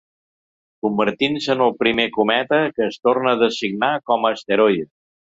Convertint-se en el primer cometa que es torna a designar com a asteroide.